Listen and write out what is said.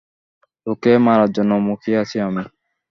তোকে মারার জন্য মুখিয়ে আছি আমি।